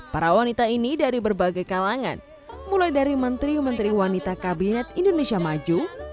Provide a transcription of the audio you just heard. para wanita ini dari berbagai kalangan mulai dari menteri menteri wanita kabinet indonesia maju